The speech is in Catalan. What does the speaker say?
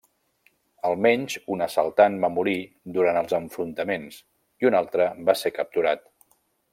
Almenys un assaltant va morir durant els enfrontaments i un altre va ser capturat.